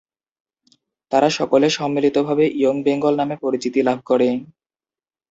তারা সকলে সম্মিলিতভাবে ইয়ং বেঙ্গল নামে পরিচিতি লাভ করেন।